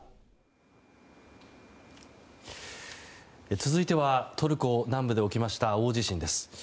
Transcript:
続いてはトルコ南部で起きました大地震です。